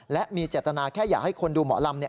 และมีเจตนาแค่อยากให้คนดูหมอลำ